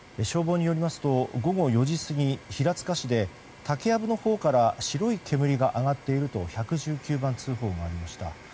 消防によりますと午後４時過ぎ竹藪のほうから白い煙が上がっていると１１９番通報がありました。